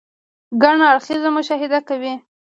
ګڼ اړخيزه مشاهده کوئ -